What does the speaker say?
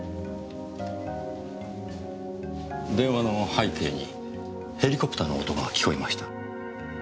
電話の背景にヘリコプターの音が聞こえました。